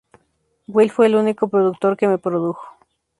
Will fue el único productor que me produjo.